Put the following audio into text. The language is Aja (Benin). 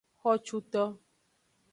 Xocuto.